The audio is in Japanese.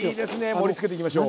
盛りつけていきましょう。